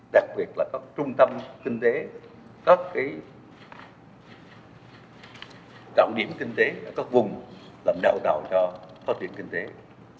đặc biệt cùng với các trung tâm kinh tế các động điểm kinh tế các vùng heo đảo cao kýt kinh tế các gốc trường